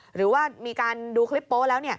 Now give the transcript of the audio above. หรือว่ามีการดูคลิปโป๊ะแล้ว